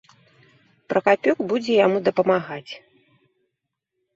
Пракапюк будзе яму дапамагаць.